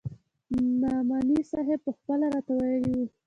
نعماني صاحب پخپله راته ويلي وو.